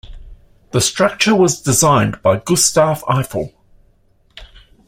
The structure was designed by Gustave Eiffel.